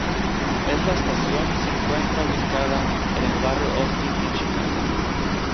Es la estación se encuentra ubicada en el barrio Austin en Chicago.